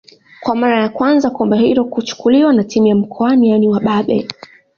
Kwa mara ya kwanza kombe hilo kuchukuliwa na timu ya mkoani yaani wababe